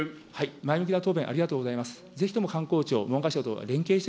前向きな答弁、ありがとうございました。